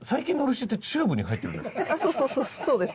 そうそうそうそうそうです。